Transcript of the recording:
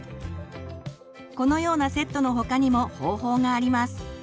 このようなセットの他にも方法があります。